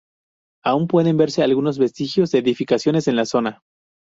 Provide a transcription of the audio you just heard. Aún pueden verse algunos vestigios de edificaciones en la zona.